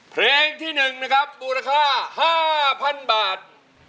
เพลงที่๑นะครับมูลค่า๕๐๐๐บาท